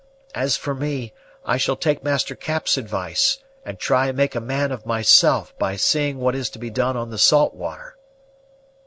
As for me, I shall take Master Cap's advice, and try and make a man of myself by seeing what is to be done on the salt water."